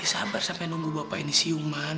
ya sabar sampe nunggu bapak ini siuman